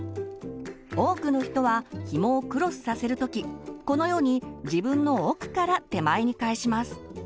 多くの人はひもをクロスさせる時このように自分の奥から手前に返します。